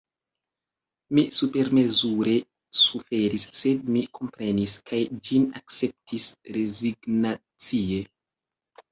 Mi supermezure suferis; sed mi komprenis, kaj ĝin akceptis rezignacie.